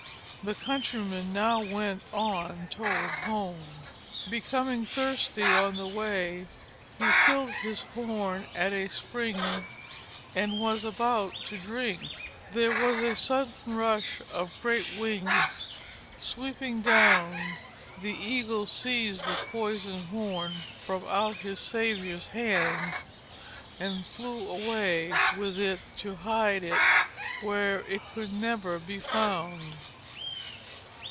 The Countryman now went on toward home. Becoming thirsty on the way, he filled his horn at a spring, and was about to drink. There was a sudden rush of great wings. Sweeping down, the Eagle seized the poisoned horn from out his savior's hands, and flew away with it to hide it where it could never be found.